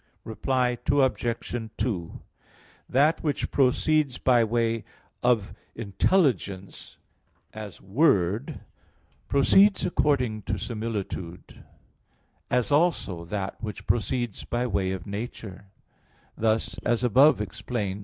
Reply Obj. 2: That which proceeds by way of intelligence, as word, proceeds according to similitude, as also that which proceeds by way of nature; thus, as above explained (Q.